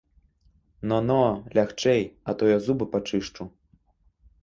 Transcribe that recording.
Но, но, лягчэй, а то я зубы пачышчу.